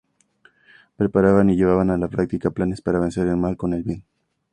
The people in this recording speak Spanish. Preparaban y llevaban a la práctica planes para "vencer el mal con el bien".